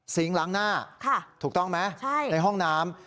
ล้างหน้าถูกต้องไหมในห้องน้ำ